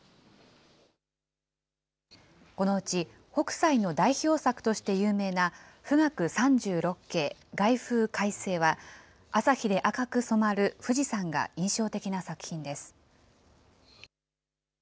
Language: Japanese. このうち、北斎の代表作として有名な、冨嶽三十六景凱風快晴は、朝日で赤く染まる富士山が印象的な作品です。